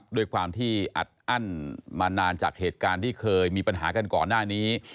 ด้วยความที่อัดอั้นมานานจากเหตุการณ์ที่เคยมีปัญหากันก่อนหน้านี้